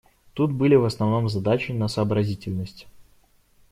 Тут были в основном задачи на сообразительность.